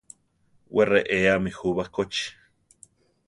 Wé reéami jú bakóchi.